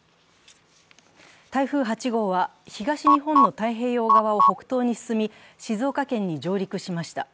台風８号は、東日本の太平洋側を北東に進み、静岡県に上陸しました。